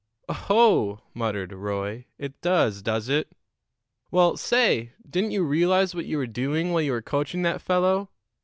"Oh, ho!" muttered Roy. "It does, does it? Well, say, didn't you realize what you were doing while you were coaching that fellow?